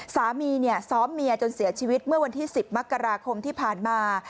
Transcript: สามีซ้อมเมียจนเสียชีวิตเมื่อวันที่๑๐มกราคมที่ผ่านมา